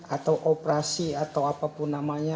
atau operasi atau apapun namanya